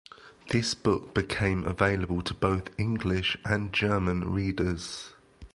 This book became available to both English and German readers.